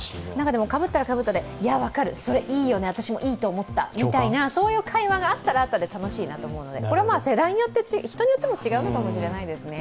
でもかぶったらかぶったで、いや分かる、それいいよね、私もいいと思ったみたいな会話があったらあったで楽しいなと思うので、これは世代によって、人によっても違うのかもしれないですね。